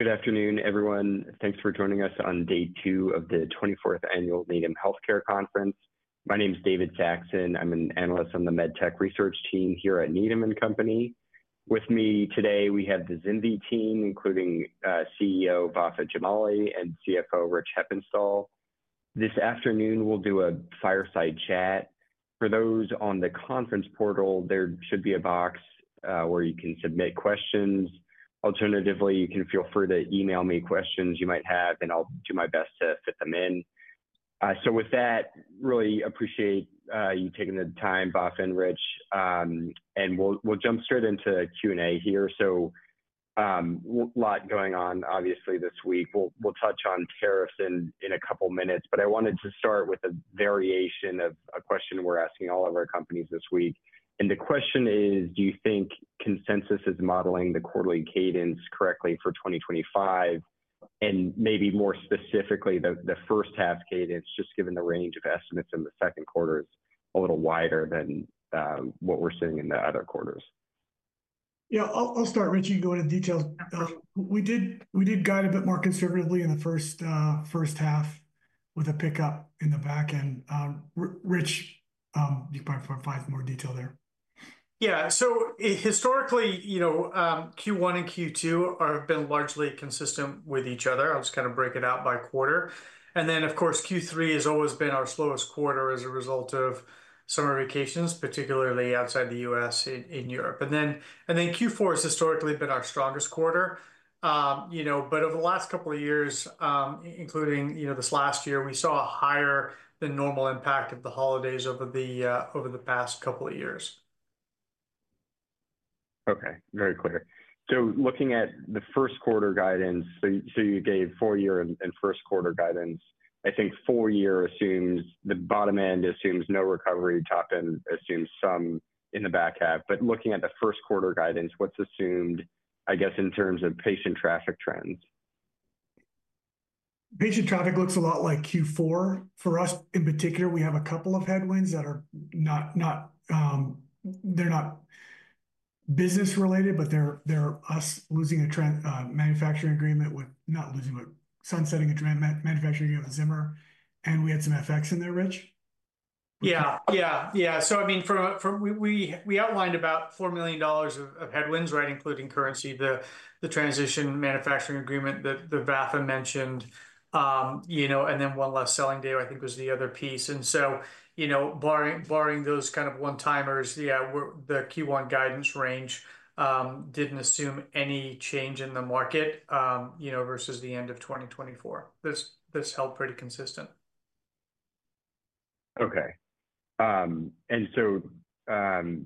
Good afternoon, everyone. Thanks for joining us on day two of the 24th Annual Needham Healthcare Conference. My name is David Saxon. I'm an analyst on the MedTech research team here at Needham & Company. With me today, we have the ZimVie team, including CEO Vafa Jamali and CFO Rich Heppenstall. This afternoon, we'll do a fireside chat. For those on the conference portal, there should be a box where you can submit questions. Alternatively, you can feel free to email me questions you might have, and I'll do my best to fit them in. I really appreciate you taking the time, Vafa and Rich. We'll jump straight into Q&A here. A lot going on, obviously, this week. We'll touch on tariffs in a couple of minutes. I wanted to start with a variation of a question we're asking all of our companies this week. Do you think consensus is modeling the quarterly cadence correctly for 2025? Maybe more specifically, the first half cadence, just given the range of estimates in the second quarter is a little wider than what we're seeing in the other quarters. Yeah, I'll start, Rich, and go into detail. We did guide a bit more conservatively in the H1 with a pickup in the back end. Rich, you can probably provide more detail there. Yeah. Historically, Q1 and Q2 have been largely consistent with each other. I'll just kind of break it out by quarter. Of course, Q3 has always been our slowest quarter as a result of summer vacations, particularly outside the U.S. in Europe. Q4 has historically been our strongest quarter. Over the last couple of years, including this last year, we saw a higher than normal impact of the holidays over the past couple of years. Okay, very clear. Looking at the first quarter guidance, you gave full-year and first quarter guidance. I think full-year assumes the bottom end assumes no recovery, top end assumes some in the back half. Looking at the first quarter guidance, what's assumed, I guess, in terms of patient traffic trends? Patient traffic looks a lot like Q4. For us, in particular, we have a couple of headwinds that are not business-related, but they're us losing a manufacturing agreement with, not losing but sunsetting a manufacturing agreement with Zimmer. And we had some FX in there, Rich? Yeah, yeah, yeah. I mean, we outlined about $4 million of headwinds, right, including currency, the transition manufacturing agreement that Vafa mentioned, and then one less selling day, I think, was the other piece. Barring those kind of one-timers, yeah, the Q1 guidance range did not assume any change in the market versus the end of 2024. This held pretty consistent. Okay.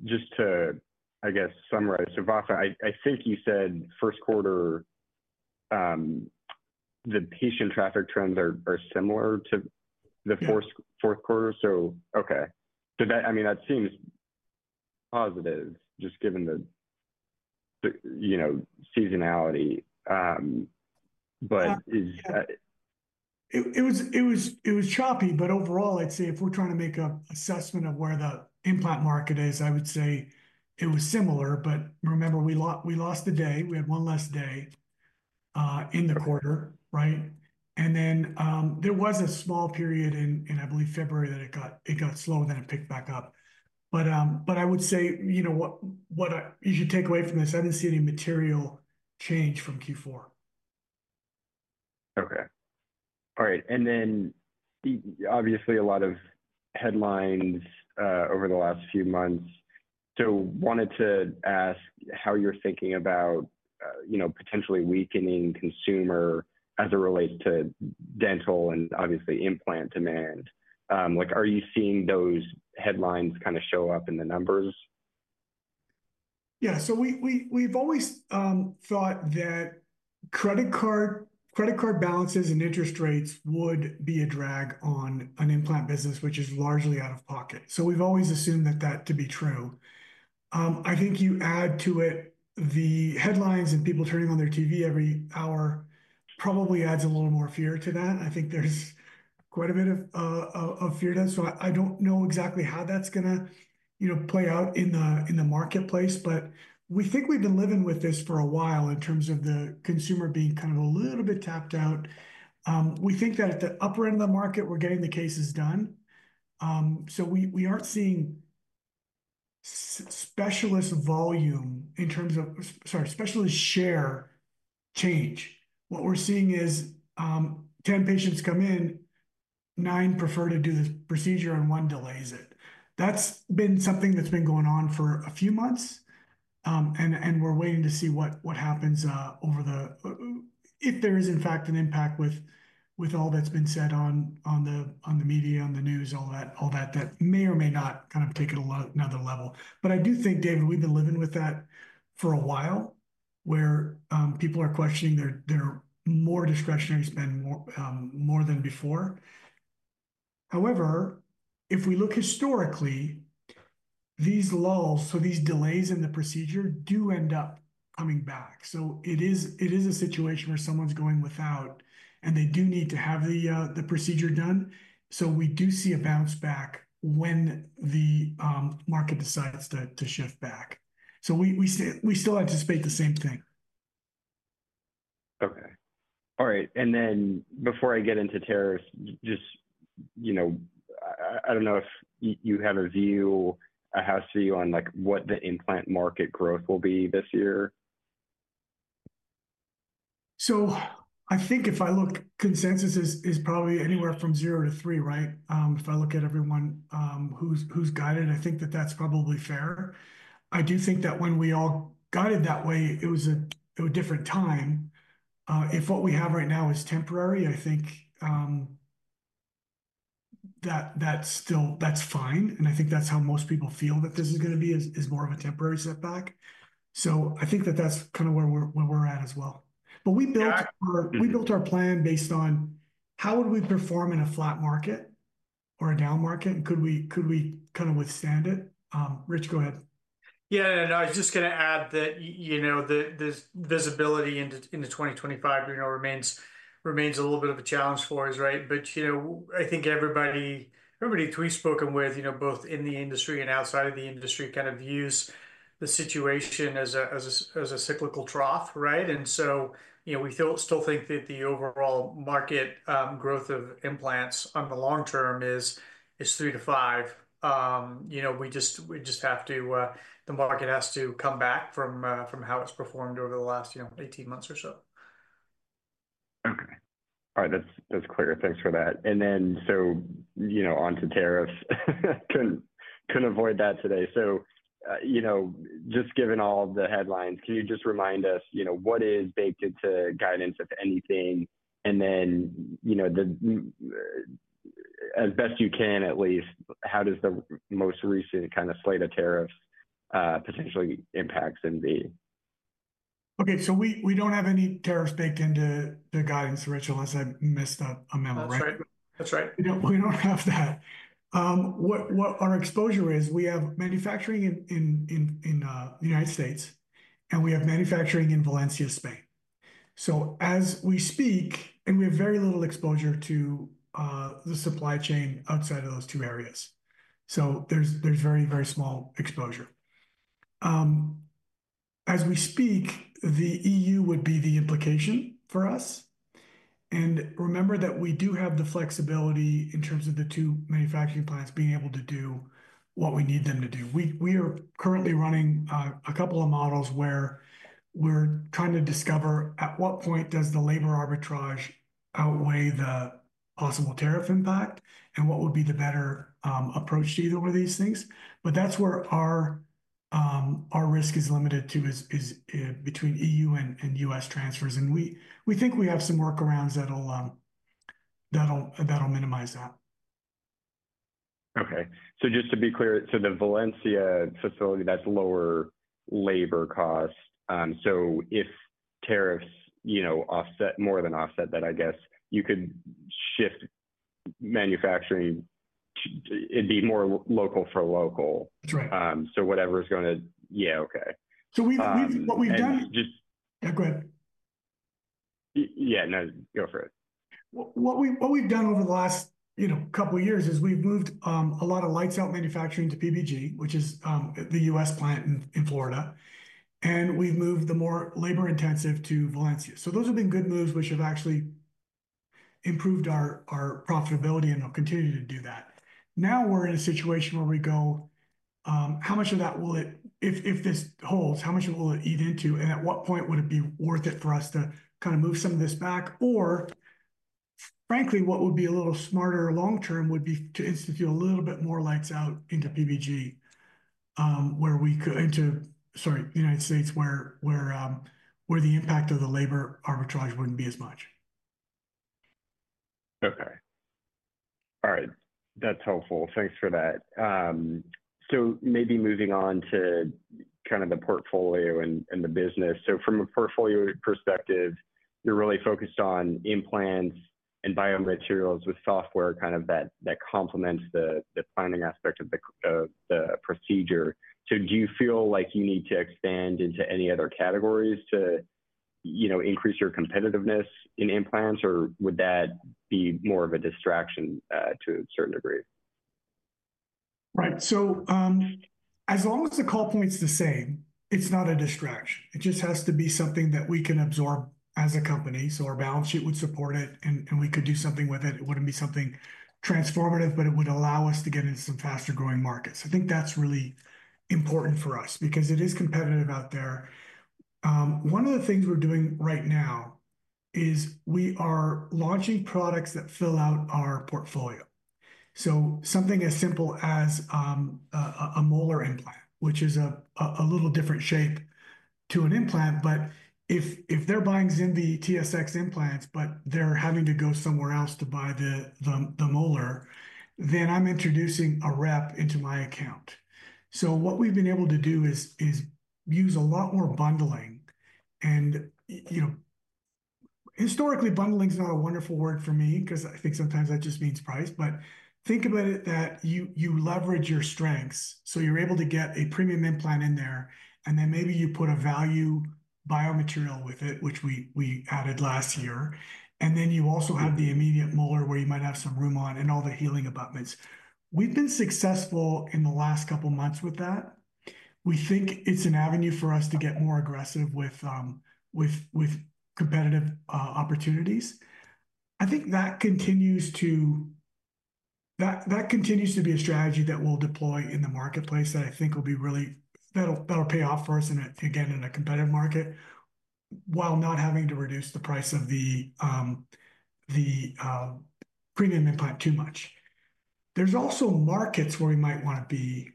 Just to, I guess, summarize, Vafa, I think you said first quarter, the patient traffic trends are similar to the fourth quarter. I mean, that seems positive, just given the seasonality. Is. It was choppy. Overall, I'd say if we're trying to make an assessment of where the implant market is, I would say it was similar. Remember, we lost a day. We had one less day in the quarter, right? There was a small period in, I believe, February that it got slower, then it picked back up. I would say what you should take away from this, I didn't see any material change from Q4. Okay. All right. Obviously, a lot of headlines over the last few months. Wanted to ask how you're thinking about potentially weakening consumer as it relates to dental and obviously implant demand. Are you seeing those headlines kind of show up in the numbers? Yeah. We have always thought that credit card balances and interest rates would be a drag on an implant business, which is largely out of pocket. We have always assumed that to be true. I think you add to it the headlines and people turning on their TV every hour probably adds a little more fear to that. I think there is quite a bit of fear to it. I do not know exactly how that is going to play out in the marketplace. We think we have been living with this for a while in terms of the consumer being kind of a little bit tapped out. We think that at the upper end of the market, we are getting the cases done. We are not seeing specialist volume in terms of, sorry, specialist share change. What we're seeing is 10 patients come in, nine prefer to do the procedure, and one delays it. That's been something that's been going on for a few months. We're waiting to see what happens over the, if there is, in fact, an impact with all that's been said on the media, on the news, all that, that may or may not kind of take it another level. I do think, David, we've been living with that for a while where people are questioning their more discretionary spend more than before. However, if we look historically, these lulls, so these delays in the procedure, do end up coming back. It is a situation where someone's going without, and they do need to have the procedure done. We do see a bounce back when the market decides to shift back. We still anticipate the same thing. Okay. All right. Before I get into tariffs, just I don't know if you have a view, a house view on what the implant market growth will be this year. I think if I look, consensus is probably anywhere from 0-3, right? If I look at everyone who's guided, I think that that's probably fair. I do think that when we all guided that way, it was a different time. If what we have right now is temporary, I think that's fine. I think that's how most people feel that this is going to be is more of a temporary setback. I think that that's kind of where we're at as well. We built our plan based on how would we perform in a flat market or a down market? Could we kind of withstand it? Rich, go ahead. Yeah, no, I was just going to add that this visibility into 2025 remains a little bit of a challenge for us, right? I think everybody we've spoken with, both in the industry and outside of the industry, kind of views the situation as a cyclical trough, right? We still think that the overall market growth of implants on the long term is 3%-5%. We just have to, the market has to come back from how it's performed over the last 18 months or so. Okay. All right. That's clear. Thanks for that. On to tariffs. Couldn't avoid that today. Just given all the headlines, can you just remind us what is baked into guidance, if anything? As best you can, at least, how does the most recent kind of slate of tariffs potentially impact ZimVie? Okay. We do not have any tariffs baked into the guidance, Rich, unless I missed a memo, right? That's right. That's right. We don't have that. What our exposure is, we have manufacturing in the United States, and we have manufacturing in Valencia, Spain. As we speak, we have very little exposure to the supply chain outside of those two areas. There is very, very small exposure. As we speak, the E.U. would be the implication for us. Remember that we do have the flexibility in terms of the two manufacturing plants being able to do what we need them to do. We are currently running a couple of models where we're trying to discover at what point the labor arbitrage outweighs the possible tariff impact and what would be the better approach to either one of these things. That is where our risk is limited to, between E.U. and U.S. transfers. We think we have some workarounds that'll minimize that. Okay. Just to be clear, the Valencia facility, that's lower labor cost. If tariffs offset, more than offset that, I guess you could shift manufacturing to, it'd be more local for local. That's right. Whatever is going to yeah, okay. What we've done. Just. Yeah, go ahead. Yeah, no, go for it. What we've done over the last couple of years is we've moved a lot of Lights Out manufacturing to PBG, which is the U.S. plant in Florida. We've moved the more labor-intensive to Valencia. Those have been good moves, which have actually improved our profitability, and we'll continue to do that. Now we're in a situation where we go, how much of that will it, if this holds, how much will it eat into, and at what point would it be worth it for us to kind of move some of this back? Or frankly, what would be a little smarter long-term would be to institute a little bit more Lights Out into PBG, where we could into, sorry, United States, where the impact of the labor arbitrage wouldn't be as much. Okay. All right. That's helpful. Thanks for that. Maybe moving on to kind of the portfolio and the business. From a portfolio perspective, you're really focused on implants and biomaterials with software kind of that complements the planning aspect of the procedure. Do you feel like you need to expand into any other categories to increase your competitiveness in implants, or would that be more of a distraction to a certain degree? Right. As long as the call point's the same, it's not a distraction. It just has to be something that we can absorb as a company. Our balance sheet would support it, and we could do something with it. It wouldn't be something transformative, but it would allow us to get into some faster-growing markets. I think that's really important for us because it is competitive out there. One of the things we're doing right now is we are launching products that fill out our portfolio. Something as simple as a molar implant, which is a little different shape to an implant. If they're buying ZimVie TSX implants, but they're having to go somewhere else to buy the molar, then I'm introducing a rep into my account. What we've been able to do is use a lot more bundling. Historically, bundling's not a wonderful word for me because I think sometimes that just means price. Think about it that you leverage your strengths. You're able to get a premium implant in there, and then maybe you put a value biomaterial with it, which we added last year. You also have the immediate molar where you might have some room on and all the healing abutments. We've been successful in the last couple of months with that. We think it's an avenue for us to get more aggressive with competitive opportunities. I think that continues to be a strategy that we'll deploy in the marketplace that I think will be really that'll pay off for us, again, in a competitive market while not having to reduce the price of the premium implant too much. There are also markets where we might want to be,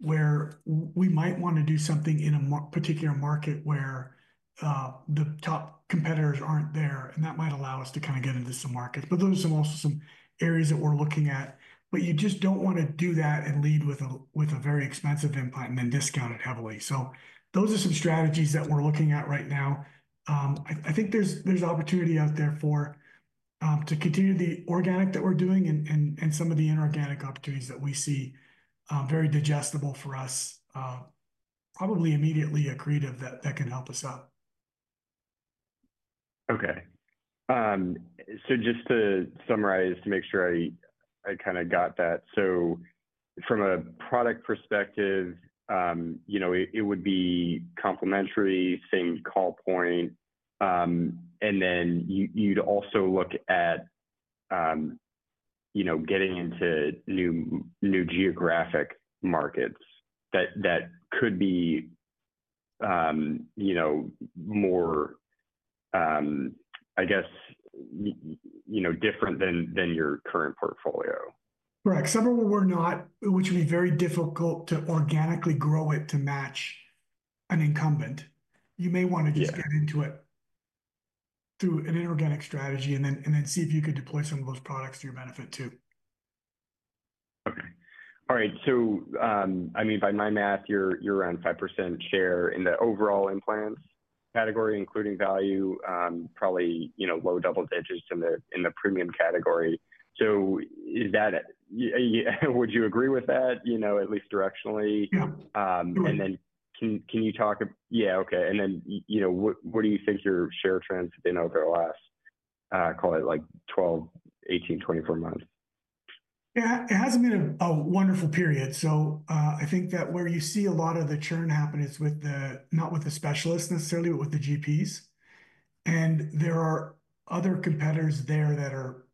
where we might want to do something in a particular market where the top competitors are not there, and that might allow us to kind of get into some markets. Those are also some areas that we are looking at. You just do not want to do that and lead with a very expensive implant and then discount it heavily. Those are some strategies that we are looking at right now. I think there is opportunity out there to continue the organic that we are doing and some of the inorganic opportunities that we see, very digestible for us, probably immediately accretive, that can help us up. Okay. Just to summarize, to make sure I kind of got that. From a product perspective, it would be complementary, same call point. Then you'd also look at getting into new geographic markets that could be more, I guess, different than your current portfolio. Correct. Some of them were not, which would be very difficult to organically grow it to match an incumbent. You may want to just get into it through an inorganic strategy and then see if you could deploy some of those products to your benefit too. Okay. All right. I mean, by my math, you're around 5% share in the overall implants category, including value, probably low double digits in the premium category. Would you agree with that, at least directionally? Yeah. Can you talk? Okay. What do you think your share trends have been over the last, call it, 12, 18, 24 months? Yeah. It hasn't been a wonderful period. I think that where you see a lot of the churn happen is not with the specialists necessarily, but with the GPs. There are other competitors there that are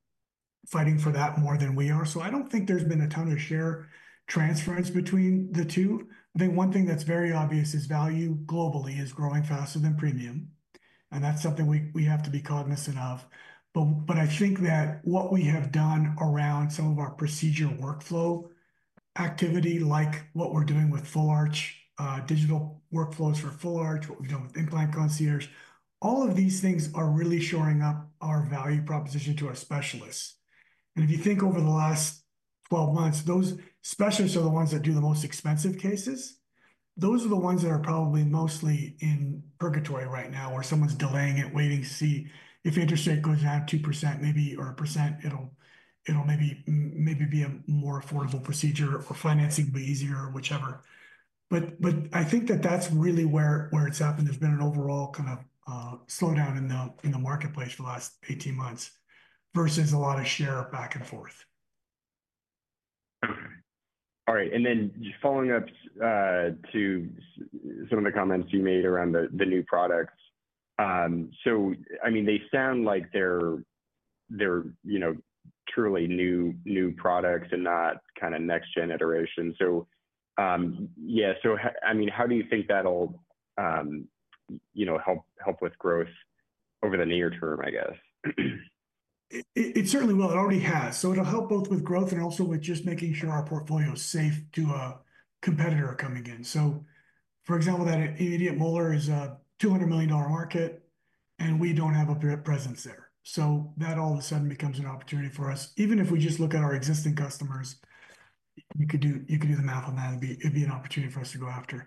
fighting for that more than we are. I don't think there's been a ton of share transference between the two. I think one thing that's very obvious is value globally is growing faster than premium. That's something we have to be cognizant of. I think that what we have done around some of our procedure workflow activity, like what we're doing with Full Arch, digital workflows for Full Arch, what we've done with Implant Concierge, all of these things are really shoring up our value proposition to our specialists. If you think over the last 12 months, those specialists are the ones that do the most expensive cases. Those are the ones that are probably mostly in purgatory right now, where someone's delaying it, waiting to see if interest rate goes down 2% maybe or a percent, it'll maybe be a more affordable procedure or financing will be easier, whichever. I think that that's really where it's happened. There's been an overall kind of slowdown in the marketplace for the last 18 months versus a lot of share back and forth. Okay. All right. Just following up to some of the comments you made around the new products. I mean, they sound like they're truly new products and not kind of next-gen iterations. Yeah. I mean, how do you think that'll help with growth over the near term, I guess? It certainly will. It already has. It'll help both with growth and also with just making sure our portfolio is safe to a competitor coming in. For example, that immediate molar is a $200 million market, and we do not have a presence there. That all of a sudden becomes an opportunity for us. Even if we just look at our existing customers, you could do the math on that. It would be an opportunity for us to go after.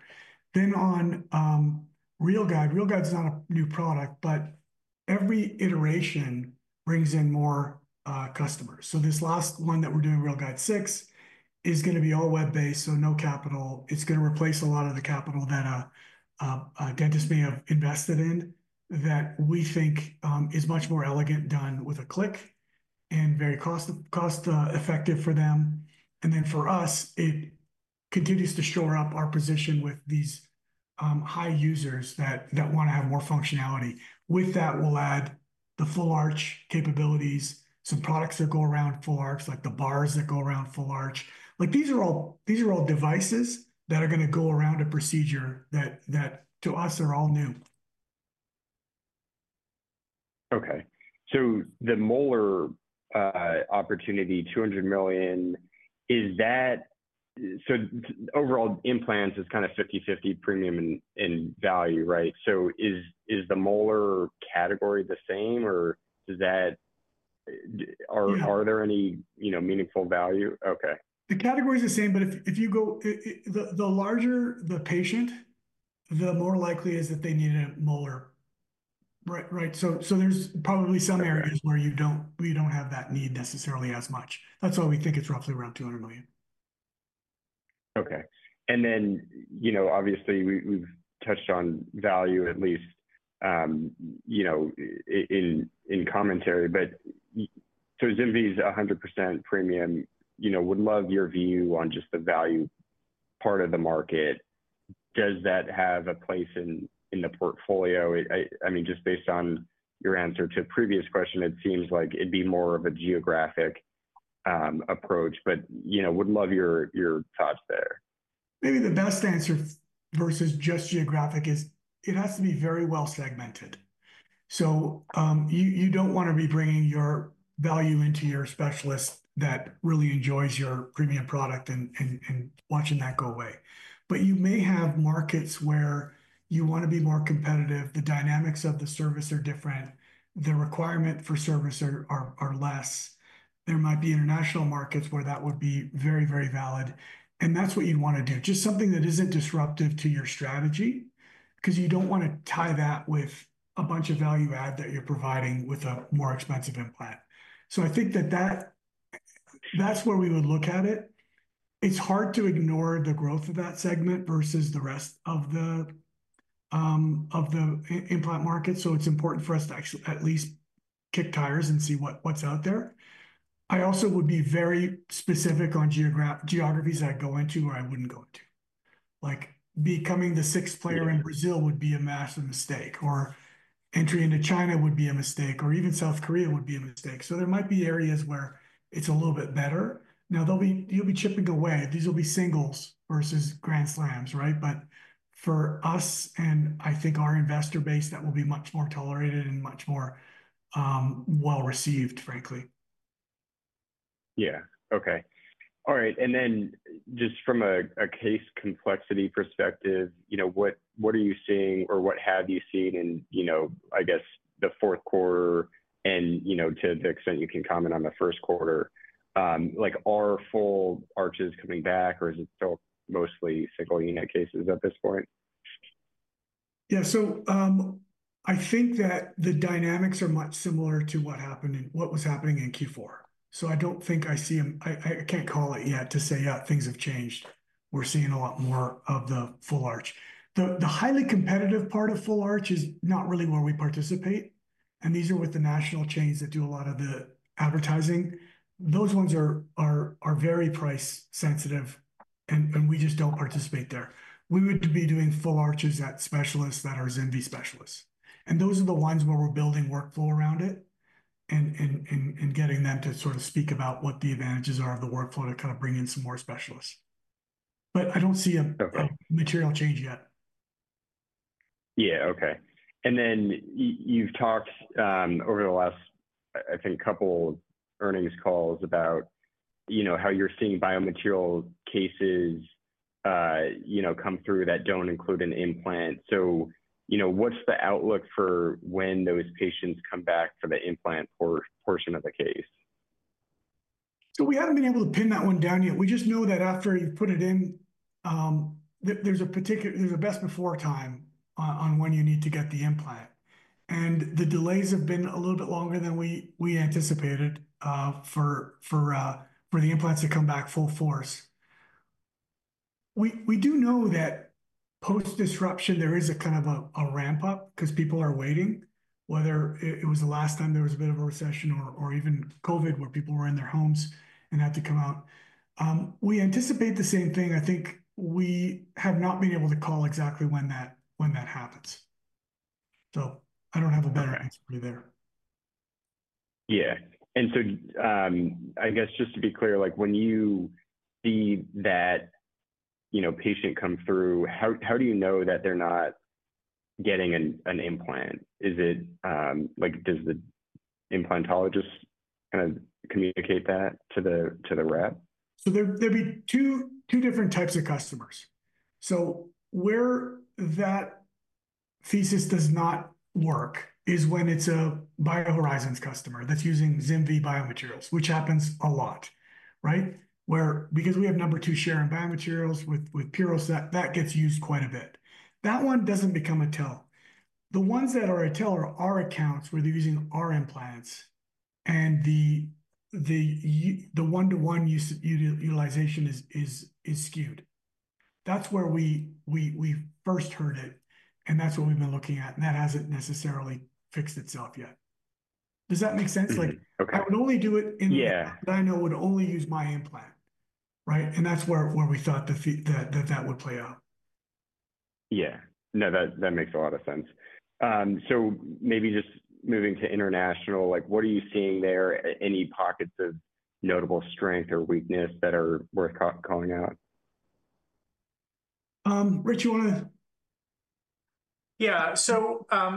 On RealGuide, RealGuide is not a new product, but every iteration brings in more customers. This last one that we are doing, RealGuide 6, is going to be all web-based, so no capital. It is going to replace a lot of the capital that a dentist may have invested in that we think is much more elegant, done with a click, and very cost-effective for them. For us, it continues to shore up our position with these high users that want to have more functionality. With that, we'll add the Full Arch capabilities, some products that go around Full Arch, like the bars that go around Full Arch. These are all devices that are going to go around a procedure that to us are all new. Okay. The molar opportunity, $200 million, is that, so overall implants is kind of 50/50 premium and value, right? Is the molar category the same, or are there any meaningful value? Okay. The category is the same, but if you go the larger, the patient, the more likely it is that they need a molar, right? So there's probably some areas where you don't have that need necessarily as much. That's why we think it's roughly around $200 million. Okay. Obviously, we've touched on value at least in commentary. ZimVie's 100% premium, would love your view on just the value part of the market. Does that have a place in the portfolio? I mean, just based on your answer to a previous question, it seems like it'd be more of a geographic approach, but would love your thoughts there. Maybe the best answer versus just geographic is it has to be very well segmented. You do not want to be bringing your value into your specialist that really enjoys your premium product and watching that go away. You may have markets where you want to be more competitive. The dynamics of the service are different. The requirement for service are less. There might be international markets where that would be very, very valid. That is what you would want to do. Just something that is not disruptive to your strategy because you do not want to tie that with a bunch of value add that you are providing with a more expensive implant. I think that is where we would look at it. It is hard to ignore the growth of that segment versus the rest of the implant market. It is important for us to actually at least kick tires and see what is out there. I also would be very specific on geographies that I go into or I would not go into. Becoming the sixth player in Brazil would be a massive mistake, or entry into China would be a mistake, or even South Korea would be a mistake. There might be areas where it is a little bit better. You will be chipping away. These will be singles versus grand slams, right? For us and I think our investor base, that will be much more tolerated and much more well-received, frankly. Yeah. Okay. All right. Just from a case complexity perspective, what are you seeing or what have you seen in, I guess, the fourth quarter and to the extent you can comment on the first quarter? Are Full Arches coming back, or is it still mostly single-unit cases at this point? Yeah. I think that the dynamics are much similar to what was happening in Q4. I do not think I see them, I cannot call it yet to say, "Yeah, things have changed." We are seeing a lot more of the Full Arch. The highly competitive part of Full Arch is not really where we participate. These are with the national chains that do a lot of the advertising. Those ones are very price-sensitive, and we just do not participate there. We would be doing Full Arches at specialists that are ZimVie specialists. Those are the ones where we are building workflow around it and getting them to sort of speak about what the advantages are of the workflow to kind of bring in some more specialists. I do not see a material change yet. Yeah. Okay. You have talked over the last, I think, couple of earnings calls about how you are seeing biomaterial cases come through that do not include an implant. What is the outlook for when those patients come back for the implant portion of the case? We have not been able to pin that one down yet. We just know that after you put it in, there is a best-before time on when you need to get the implant. The delays have been a little bit longer than we anticipated for the implants to come back full force. We do know that post-disruption, there is a kind of a ramp-up because people are waiting, whether it was the last time there was a bit of a recession or even COVID where people were in their homes and had to come out. We anticipate the same thing. I think we have not been able to call exactly when that happens. I do not have a better answer for you there. Yeah. I guess just to be clear, when you see that patient come through, how do you know that they're not getting an implant? Does the implantologist kind of communicate that to the rep? There will be two different types of customers. Where that thesis does not work is when it's a BioHorizons customer that's using ZimVie biomaterials, which happens a lot, right? Because we have number two share in biomaterials with Puros, that gets used quite a bit. That one doesn't become a tell. The ones that are a tell are our accounts where they're using our implants, and the one-to-one utilization is skewed. That's where we first heard it, and that's what we've been looking at, and that hasn't necessarily fixed itself yet. Does that make sense? I would only do it in the account that I know would only use my implant, right? That's where we thought that that would play out. Yeah. No, that makes a lot of sense. Maybe just moving to international, what are you seeing there? Any pockets of notable strength or weakness that are worth calling out? Rich, you want to? Yeah.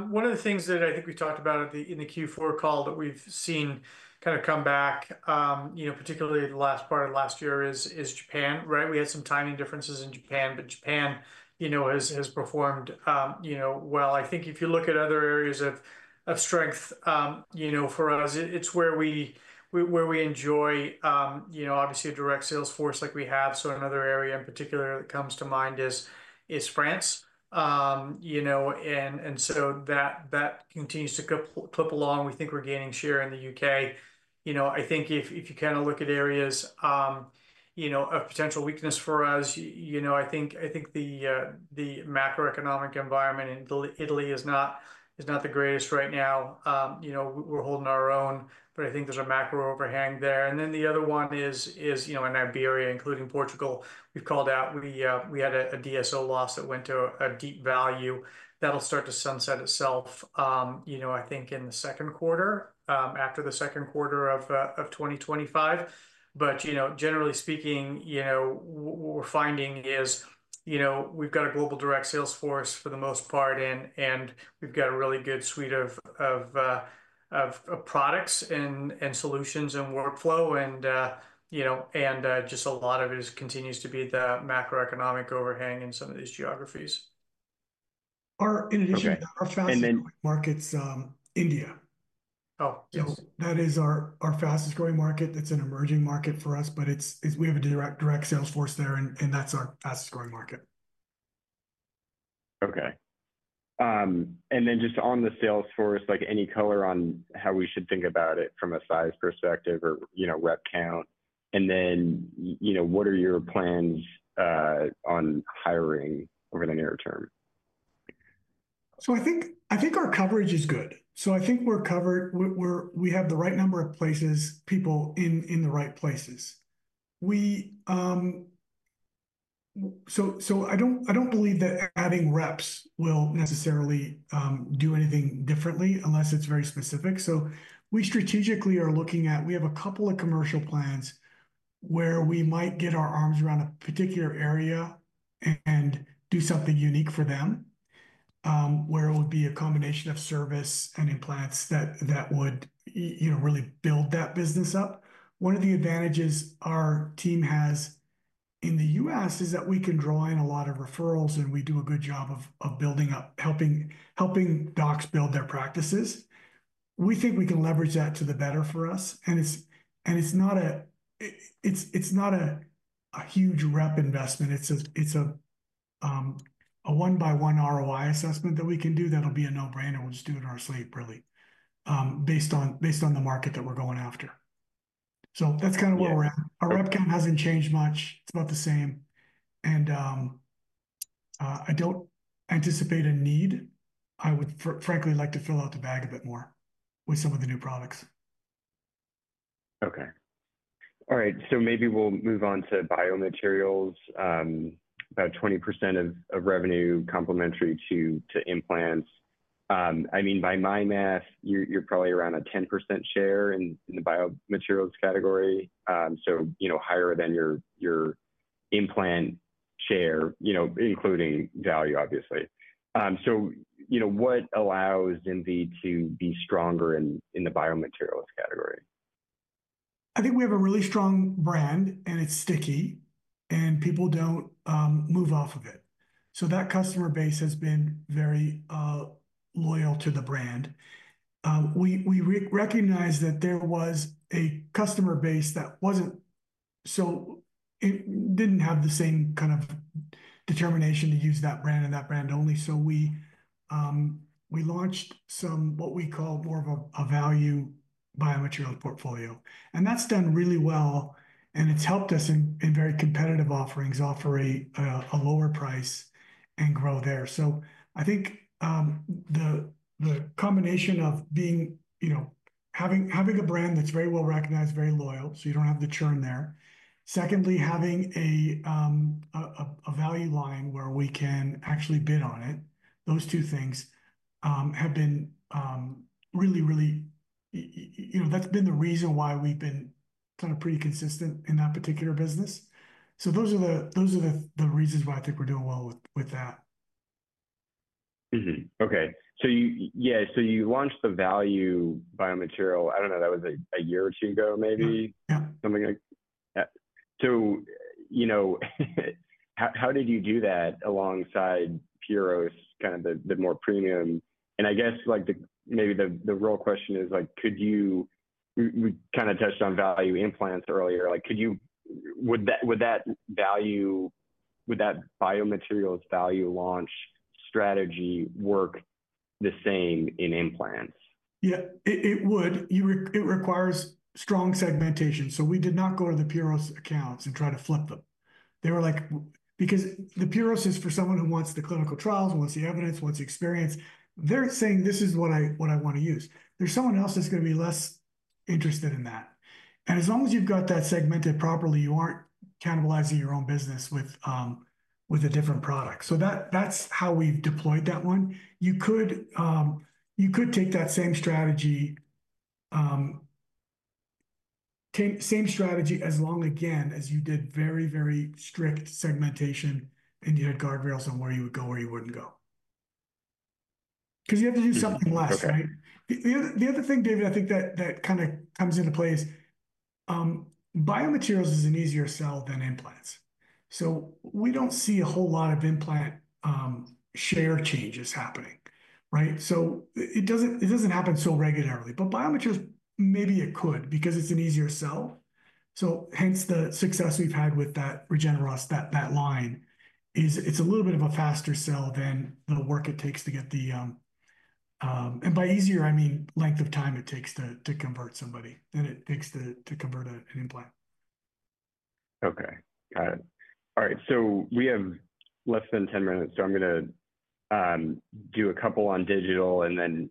One of the things that I think we talked about in the Q4 call that we've seen kind of come back, particularly the last part of last year, is Japan, right? We had some timing differences in Japan, but Japan has performed well. I think if you look at other areas of strength for us, it's where we enjoy, obviously, a direct sales force like we have. Another area in particular that comes to mind is France. That continues to clip along. We think we're gaining share in the U.K. I think if you kind of look at areas of potential weakness for us, I think the macroeconomic environment in Italy is not the greatest right now. We're holding our own, but I think there's a macro overhang there. The other one is in Iberia, including Portugal. We've called out. We had a DSO loss that went to a deep value. That'll start to sunset itself, I think, in the second quarter, after the second quarter of 2025. Generally speaking, what we're finding is we've got a global direct sales force for the most part, and we've got a really good suite of products and solutions and workflow. A lot of it continues to be the macroeconomic overhang in some of these geographies. In addition, our fastest-growing market is India. That is our fastest-growing market. It's an emerging market for us, but we have a direct sales force there, and that's our fastest-growing market. Okay. Just on the sales force, any color on how we should think about it from a size perspective or rep count? What are your plans on hiring over the near term? I think our coverage is good. I think we're covered. We have the right number of places, people in the right places. I don't believe that adding reps will necessarily do anything differently unless it's very specific. We strategically are looking at we have a couple of commercial plans where we might get our arms around a particular area and do something unique for them where it would be a combination of service and implants that would really build that business up. One of the advantages our team has in the US is that we can draw in a lot of referrals, and we do a good job of helping docs build their practices. We think we can leverage that to the better for us. It's not a huge rep investment. It's a one-by-one ROI assessment that we can do that'll be a no-brainer. We'll just do it in our sleep, really, based on the market that we're going after. That is kind of where we're at. Our rep count hasn't changed much. It's about the same. I don't anticipate a need. I would, frankly, like to fill out the bag a bit more with some of the new products. Okay. All right. Maybe we'll move on to biomaterials, about 20% of revenue, complementary to implants. I mean, by my math, you're probably around a 10% share in the biomaterials category, so higher than your implant share, including value, obviously. What allows ZimVie to be stronger in the biomaterials category? I think we have a really strong brand, and it's sticky, and people don't move off of it. That customer base has been very loyal to the brand. We recognize that there was a customer base that was not, so it did not have the same kind of determination to use that brand and that brand only. We launched what we call more of a value biomaterials portfolio. That has done really well, and it has helped us in very competitive offerings offer a lower price and grow there. I think the combination of having a brand that is very well recognized, very loyal, so you do not have the churn there, and secondly, having a value line where we can actually bid on it. Those two things have been really, really, that has been the reason why we have been kind of pretty consistent in that particular business. Those are the reasons why I think we're doing well with that. Okay. Yeah, so you launched the value biomaterial. I don't know. That was a year or two ago, maybe, something like that. How did you do that alongside Puros, kind of the more premium? I guess maybe the real question is, could you, we kind of touched on value implants earlier. Would that biomaterials value launch strategy work the same in implants? Yeah, it would. It requires strong segmentation. We did not go to the Puros accounts and try to flip them. They were like, because the Puros is for someone who wants the clinical trials, wants the evidence, wants the experience. They're saying, "This is what I want to use." There's someone else that's going to be less interested in that. As long as you've got that segmented properly, you aren't cannibalizing your own business with a different product. That's how we've deployed that one. You could take that same strategy, same strategy as long, again, as you did very, very strict segmentation, and you had guardrails on where you would go or you wouldn't go. You have to do something less, right? The other thing, David, I think that kind of comes into play is biomaterials is an easier sell than implants. We do not see a whole lot of implant share changes happening, right? It does not happen so regularly. Biomaterials, maybe it could because it is an easier sell. Hence the success we have had with that RegenerOss, that line, it is a little bit of a faster sell than the work it takes to get the, and by easier, I mean length of time it takes to convert somebody than it takes to convert an implant. Okay. Got it. All right. We have less than 10 minutes. I am going to do a couple on digital, and then,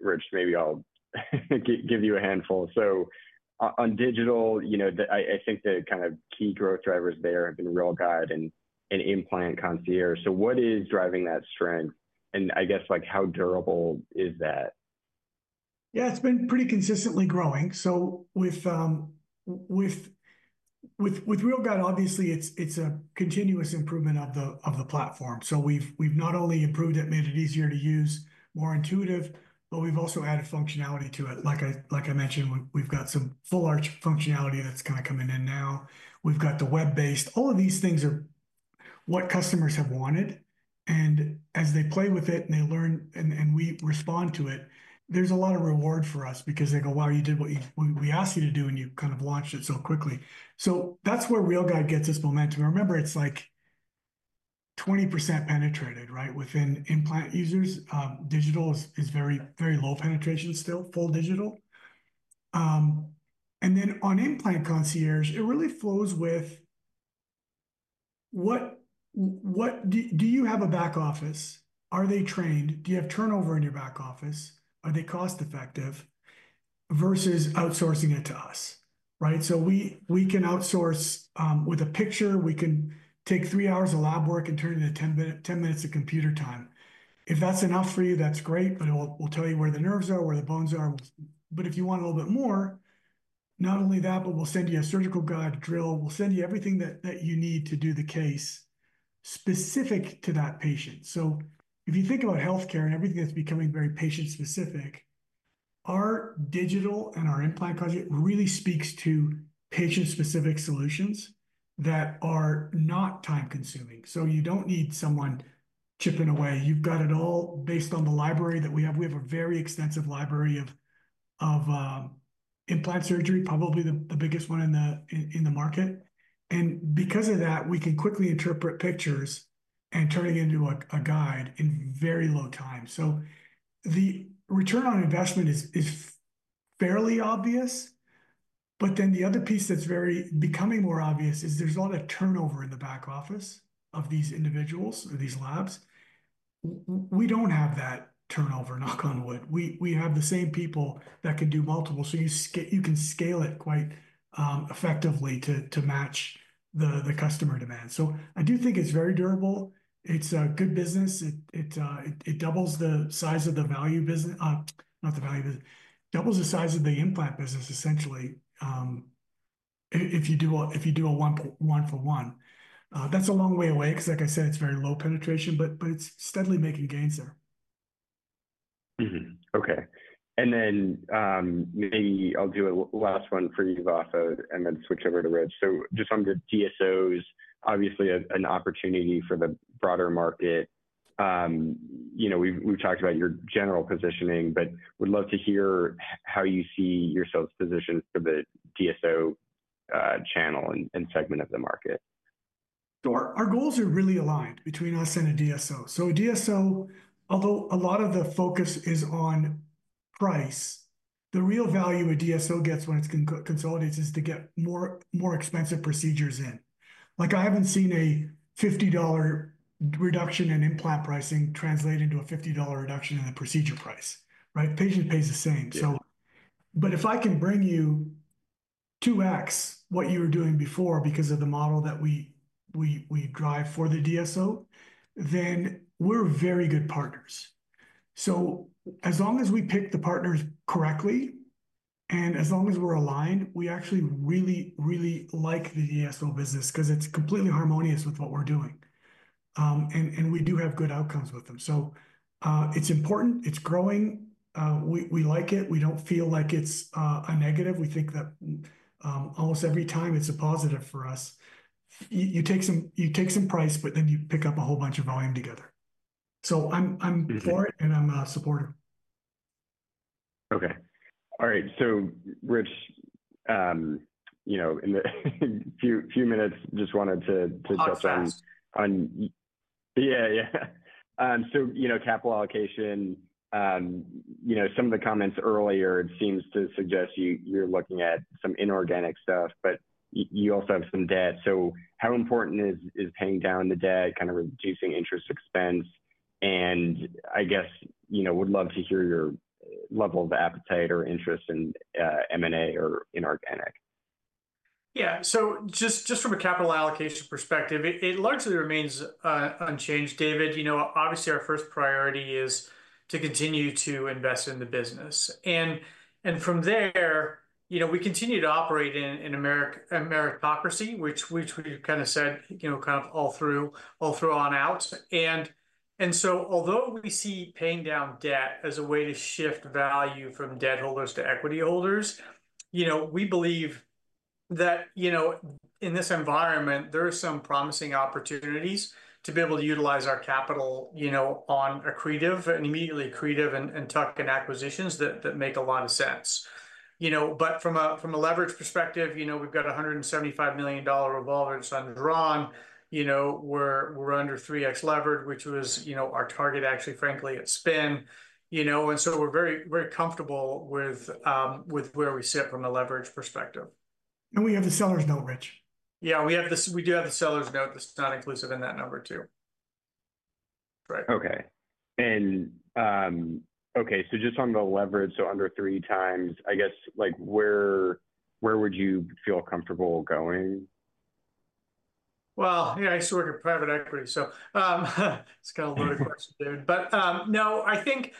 Rich, maybe I will give you a handful. On digital, I think the kind of key growth drivers there have been RealGuide and Implant Concierge. What is driving that strength? I guess how durable is that? Yeah. It's been pretty consistently growing. With RealGuide, obviously, it's a continuous improvement of the platform. We've not only improved it, made it easier to use, more intuitive, but we've also added functionality to it. Like I mentioned, we've got some Full Arch functionality that's kind of coming in now. We've got the web-based. All of these things are what customers have wanted. As they play with it and they learn and we respond to it, there's a lot of reward for us because they go, "Wow, you did what we asked you to do, and you kind of launched it so quickly." That's where RealGuide gets its momentum. Remember, it's like 20% penetrated, right, within implant users. Digital is very low penetration still, full digital. On Implant Concierge, it really flows with, "Do you have a back office? Are they trained? Do you have turnover in your back office? Are they cost-effective? Versus outsourcing it to us, right? We can outsource with a picture. We can take three hours of lab work and turn it into 10 minutes of computer time. If that's enough for you, that's great, but we'll tell you where the nerves are, where the bones are. If you want a little bit more, not only that, but we'll send you a surgical guide drill. We'll send you everything that you need to do the case specific to that patient. If you think about healthcare and everything that's becoming very patient-specific, our digital and our Implant Concierge really speaks to patient-specific solutions that are not time-consuming. You don't need someone chipping away. You've got it all based on the library that we have. We have a very extensive library of implant surgery, probably the biggest one in the market. Because of that, we can quickly interpret pictures and turn it into a guide in very low time. The return on investment is fairly obvious. The other piece that's becoming more obvious is there's a lot of turnover in the back office of these individuals or these labs. We do not have that turnover, knock on wood. We have the same people that can do multiple. You can scale it quite effectively to match the customer demand. I do think it's very durable. It's a good business. It doubles the size of the implant business, essentially, if you do a one-for-one. That's a long way away because, like I said, it's very low penetration, but it's steadily making gains there. Okay. Maybe I'll do a last one for you, Vafa, and then switch over to Rich. Just on the DSOs, obviously an opportunity for the broader market. We've talked about your general positioning, but would love to hear how you see yourself positioned for the DSO channel and segment of the market. Sure. Our goals are really aligned between us and a DSO. A DSO, although a lot of the focus is on price, the real value a DSO gets when it consolidates is to get more expensive procedures in. I have not seen a $50 reduction in implant pricing translate into a $50 reduction in the procedure price, right? Patient pays the same. If I can bring you 2X what you were doing before because of the model that we drive for the DSO, then we are very good partners. As long as we pick the partners correctly and as long as we are aligned, we actually really, really like the DSO business because it is completely harmonious with what we are doing. We do have good outcomes with them. It is important. It is growing. We like it. We do not feel like it is a negative. We think that almost every time it's a positive for us. You take some price, but then you pick up a whole bunch of volume together. I am for it, and I am a supporter. Okay. All right. Rich, in a few minutes, just wanted to touch on. That's fine. Yeah, yeah. Capital allocation, some of the comments earlier, it seems to suggest you're looking at some inorganic stuff, but you also have some debt. How important is paying down the debt, kind of reducing interest expense? I guess would love to hear your level of appetite or interest in M&A or inorganic. Yeah. So just from a capital allocation perspective, it largely remains unchanged, David. Obviously, our first priority is to continue to invest in the business. From there, we continue to operate in meritocracy, which we've kind of said kind of all through on out. Although we see paying down debt as a way to shift value from debt holders to equity holders, we believe that in this environment, there are some promising opportunities to be able to utilize our capital on accretive and immediately accretive and tuck in acquisitions that make a lot of sense. From a leverage perspective, we've got $175 million revolvers undrawn. We're under 3X levered, which was our target, actually, frankly, at spin. We are very comfortable with where we sit from a leverage perspective. We have the seller's note, Rich. Yeah. We do have the seller's note. It's not inclusive in that number, too. Okay. Okay, so just on the leverage, so under three times, I guess, where would you feel comfortable going? Yeah, I sort of private equity, so it's kind of a loaded question, David. No, I think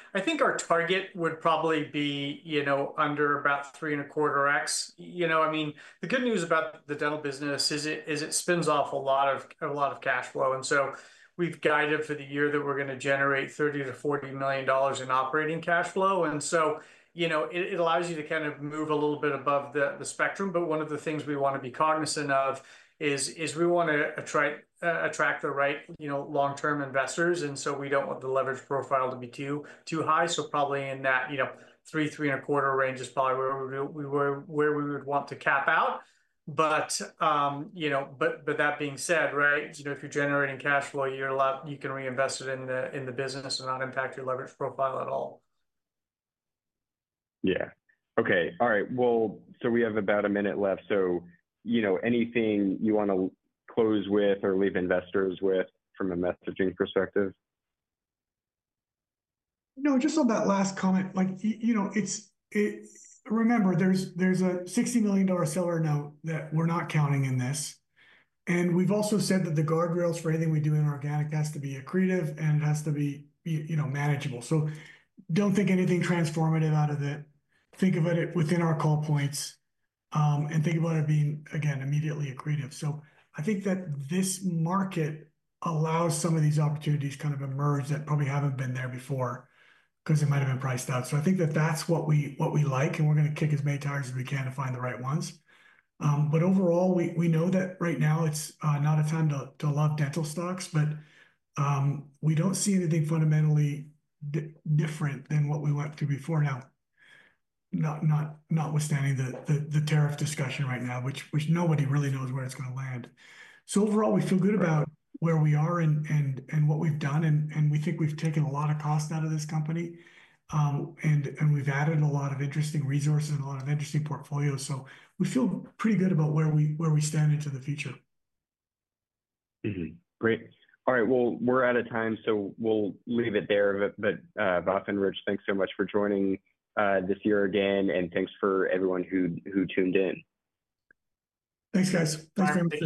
our target would probably be under about three and a quarter X. I mean, the good news about the dental business is it spins off a lot of cash flow. I mean, we've guided for the year that we're going to generate $30-$40 million in operating cash flow. It allows you to kind of move a little bit above the spectrum. One of the things we want to be cognizant of is we want to attract the right long-term investors. We do not want the leverage profile to be too high. Probably in that three, three and a quarter range is probably where we would want to cap out. If you're generating cash flow, you can reinvest it in the business and not impact your leverage profile at all. Yeah. Okay. All right. We have about a minute left. Anything you want to close with or leave investors with from a messaging perspective? No, just on that last comment. Remember, there's a $60 million seller note that we're not counting in this. We've also said that the guardrails for anything we do in organic has to be accretive, and it has to be manageable. Do not think anything transformative out of it. Think of it within our call points and think about it being, again, immediately accretive. I think that this market allows some of these opportunities kind of emerge that probably have not been there before because it might have been priced out. I think that that's what we like, and we're going to kick as many tires as we can to find the right ones. Overall, we know that right now it's not a time to love dental stocks, but we don't see anything fundamentally different than what we went through before now, notwithstanding the tariff discussion right now, which nobody really knows where it's going to land. Overall, we feel good about where we are and what we've done. We think we've taken a lot of cost out of this company, and we've added a lot of interesting resources and a lot of interesting portfolios. We feel pretty good about where we stand into the future. Great. All right. We're out of time, so we'll leave it there. Vafa and Rich, thanks so much for joining this year again, and thanks for everyone who tuned in. Thanks, guys. Thanks for.